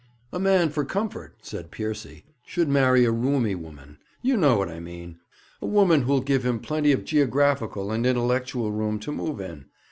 'A man for comfort,' said Piercy, 'should marry a roomy woman. You know what I mean a woman who'll give him plenty of geographical and intellectual room to move in.